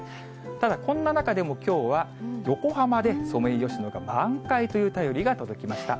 ただこんな中でも、きょうは、横浜でソメイヨシノが満開という便りが届きました。